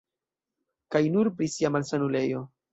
Kaj nur pri sia malsanulejo.